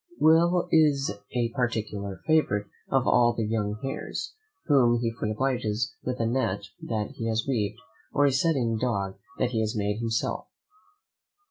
Will is a particular favourite of all the young heirs, whom he frequently obliges with a net that he has weaved, or a setting dog that he has made himself.